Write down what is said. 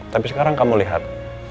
tapi sekarang kamu lihat